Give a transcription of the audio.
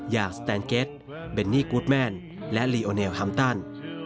อย่างสแตนเก็ตเบนนี่กู๊ดแม่นและลีโอเนลฮัมตัน